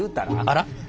あら。